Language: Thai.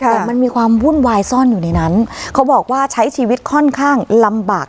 แต่มันมีความวุ่นวายซ่อนอยู่ในนั้นเขาบอกว่าใช้ชีวิตค่อนข้างลำบาก